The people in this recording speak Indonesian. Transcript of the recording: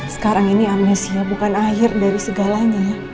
sekarang ini amnesia bukan akhir dari segalanya